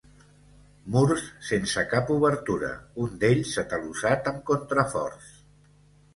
Murs sense cap obertura, un d'ells atalussat amb contraforts.